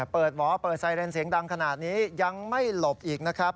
หมอเปิดไซเรนเสียงดังขนาดนี้ยังไม่หลบอีกนะครับ